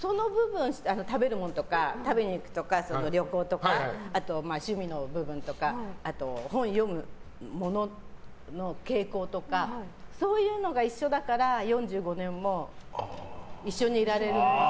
食べに行くとか旅行とかあと、趣味の部分とか本、読むものの傾向とかそういうのが一緒だから４５年も一緒にいられる。